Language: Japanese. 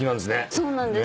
そうなんです。